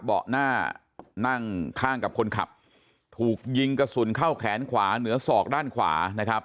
เบาะหน้านั่งข้างกับคนขับถูกยิงกระสุนเข้าแขนขวาเหนือศอกด้านขวานะครับ